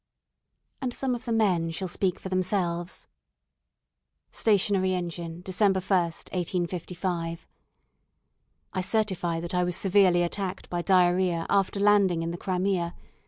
And some of the men shall speak for themselves: "Stationary Engine, December 1, 1855. "I certify that I was severely attacked by diarrhoea after landing in the Crimea.